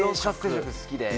好きで。